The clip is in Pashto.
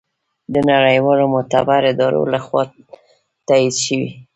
د نړیوالو معتبرو ادارو لخوا تائید شي